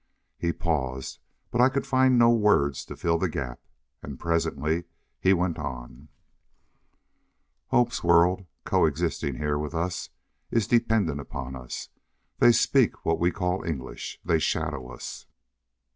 He paused, but I could find no words to fill the gap. And presently he went on: "Hope's world, co existing here with us, is dependent upon us. They speak what we call English. They shadow us."